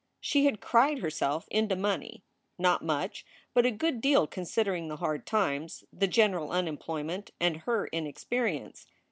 She had cried herself into money not much, but a good deal considering the hard times, the general unemployment, and her inexperience.